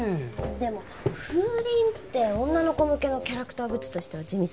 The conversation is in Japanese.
でも風鈴って女の子向けのキャラクターグッズとしては地味すぎません？